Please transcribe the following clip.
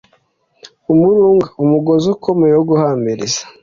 umurunga: umugozi ukomeye wo guhambiriza